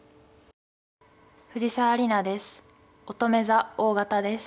藤沢里菜です。